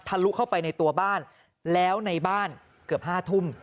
ลุเข้าไปในตัวบ้านแล้วในบ้านเกือบ๕ทุ่ม